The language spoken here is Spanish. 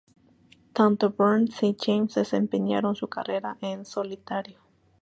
Tanto Burns y James desempeñaron su carrera en solitario.